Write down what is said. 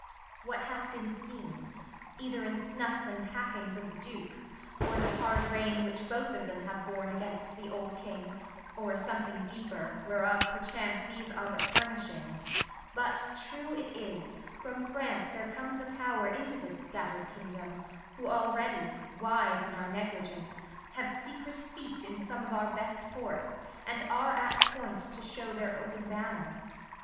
What hath been seen, Either in snuffs and packings of the Dukes, Or the hard rein which both of them have borne Against the old kind King, or something deeper, Whereof, perchance, these are but furnishings But, true it is, from France there comes a power Into this scattered kingdom, who already, Wise in our negligence, have secret feet In some of our best ports and are at point To show their open banner.